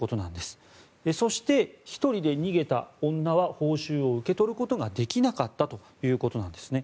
そして、１人で逃げた女は報酬を受け取ることができなかったということです。